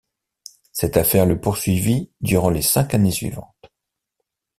Cette affaire le poursuivit durant les cinq années suivantes.